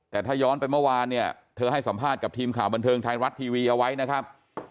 แต่ถ้าย้อนไปเมื่อวานเนี่ยเธอให้สัมภาษณ์กับทีมข่าวบันเทิงไทยรัฐทีวีเอาไว้นะครับ